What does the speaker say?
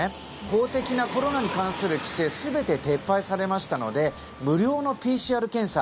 法的なコロナに関する規制全て撤廃されましたので無料のＰＣＲ検査